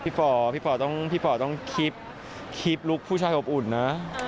พี่ป่อต้องคลิปลุคผู้ชายอบอุ่นนะ